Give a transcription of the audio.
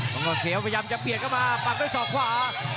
มังกรเขียวพยายามจะเปลี่ยนเข้ามาปัดโดยสอกภาว